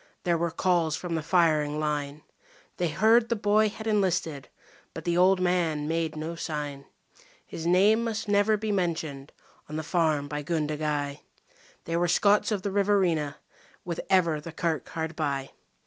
There were calls from the firing line; They heard the boy had enlisted, but the old man made no sign. His name must never be mentioned on the farm by Gundagai They were Scots of the Riverina with ever the kirk hard by.